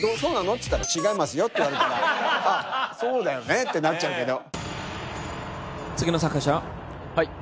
っつったら「違いますよ」って言われたら「そうだよね」ってなっちゃうけど。